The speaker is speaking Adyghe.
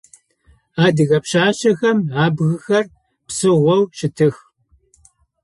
Адыгэ пшъашъэхэм абгыхэр псыгъоу щытых.